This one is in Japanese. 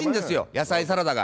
野菜サラダが。